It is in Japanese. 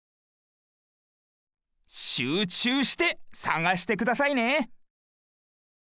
しゅうちゅうしてさがしてくださいね。